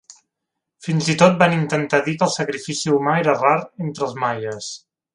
Fins i tot van intentar dir que el sacrifici humà era rar entre els maies.